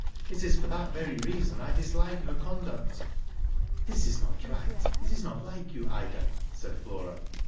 '* It is for that very reason I dislike her conduct." *' This is not right. It is not like you, Ida," said Flora.